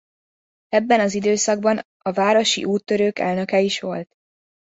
Ebben az időszakban a városi úttörők elnöke is volt.